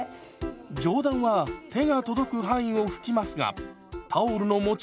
上段は手が届く範囲を拭きますがタオルの持ち方を変えます。